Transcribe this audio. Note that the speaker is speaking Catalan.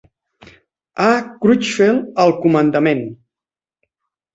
A. Crutchfield al comandament.